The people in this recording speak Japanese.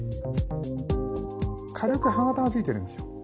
軽く歯形がついてるんですよ。